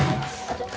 ちょっ